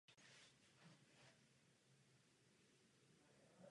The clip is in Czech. Rybník slouží jako soukromý rybářský revír pro sportovní rybolov.